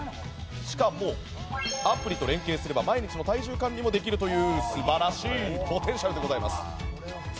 アプリと連携すれば毎日の体重管理もできるという素晴らしいポテンシャルでございます。